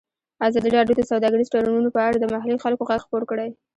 ازادي راډیو د سوداګریز تړونونه په اړه د محلي خلکو غږ خپور کړی.